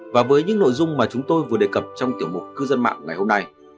và với những nội dung mà chúng tôi vừa đề cập trong tiểu mục cư dân mạng ngày hôm nay